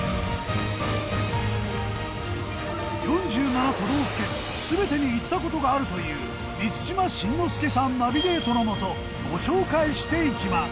４７都道府県全てに行った事があるという満島真之介さんナビゲートのもとご紹介していきます。